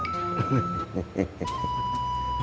tanya yang banyak